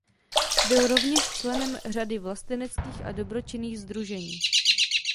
Byl rovněž členem řady vlasteneckých a dobročinných sdružení.